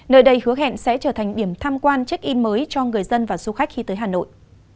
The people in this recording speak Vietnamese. nơi đây hứa hẹn sẽ trở thành điểm tham quan check in mới cho người dân và du khách khi tới hà nội